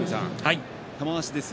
玉鷲です。